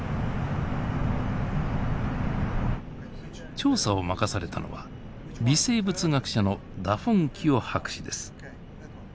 調査を任されたのは微生物学者のダフォンキオ博士です。